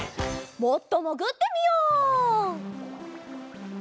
もっともぐってみよう！